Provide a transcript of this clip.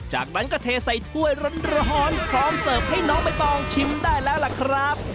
จากนั้นก็เทใส่ถ้วยร้อนพร้อมเสิร์ฟให้น้องใบตองชิมได้แล้วล่ะครับ